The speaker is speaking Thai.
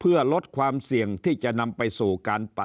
เพื่อลดความเสี่ยงที่จะนำไปสู่การปัด